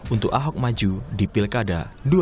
untuk ahok maju di pilkada dua ribu dua puluh empat